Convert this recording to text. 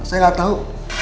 saya gak tau